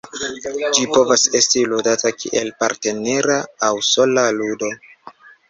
Ĝi povas esti ludata kiel partnera aŭ sola ludo.